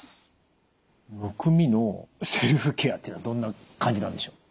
むくみのセルフケアっていうのはどんな感じなんでしょう？